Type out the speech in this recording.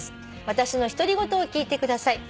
「私の独り言を聞いてください」